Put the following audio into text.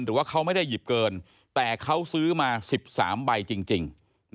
หรือว่าเขาไม่ได้หยิบเกินแต่เขาซื้อมา๑๓ใบจริง